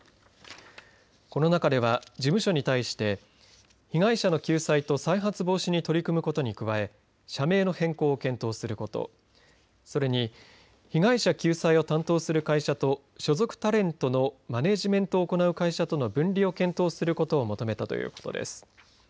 この中では事務所に対して被害者の救済と再発防止に取り組むことに加え社名の変更を検討することそれに被害者救済を担当する会社と所属タレントのマネージメントを行う会社との分離を検討することを求めたということです。